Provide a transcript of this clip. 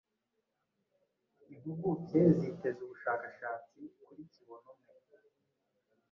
Impuguke ziteze ubushakashatsi kuri kibonumwe